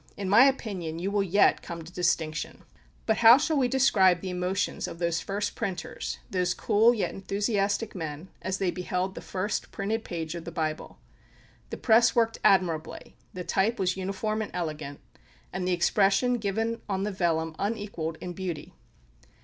In my opinion, you will yet come to distinction!" But how shall we describe the emotions of those first printers, those cool yet enthusiastic men, as they beheld the first printed page of the Bible! The press worked admirably; the type was uniform and elegant; and the expression given on the vellum, unequaled in beauty.